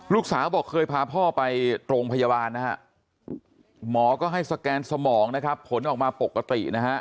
ลูกสาวบอกเคยพาพ่อไปโรงพยาบาลนะฮะหมอก็ให้สแกนสมองนะครับผลออกมาปกตินะฮะ